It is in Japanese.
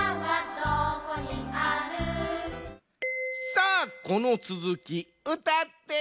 さあこのつづき歌ってや。